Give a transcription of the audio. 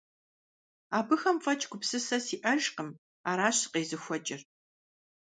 Абыхэм фӀэкӀ гупсысэ сиӀэжкъыми, аращ сыкъезыхуэкӀыр.